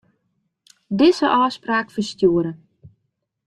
Dizze ôfspraak ferstjoere.